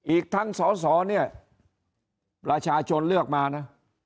อีกทั้งสอสอเนี่ยประชาชนเลือกมานะ